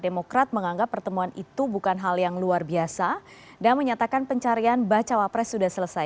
demokrat menganggap pertemuan itu bukan hal yang luar biasa dan menyatakan pencarian bacawa pres sudah selesai